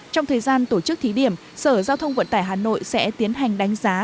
trong thời gian tổ chức thí điểm sở giao thông vận tải hà nội sẽ tiến hành đánh giá